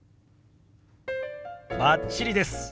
バッチリです。